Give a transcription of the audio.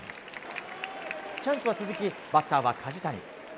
チャンスは続きバッターは梶谷。